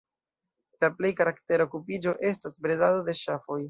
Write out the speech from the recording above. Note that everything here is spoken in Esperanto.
La plej karaktera okupiĝo estas bredado de ŝafoj.